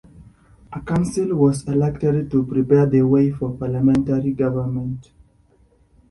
A council was elected to prepare the way for parliamentary government.